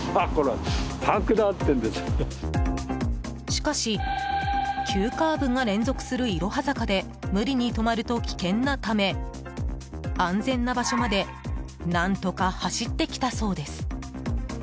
しかし、急カーブが連続するいろは坂で無理に止まると危険なため安全な場所まで何とか走ってきたそうです。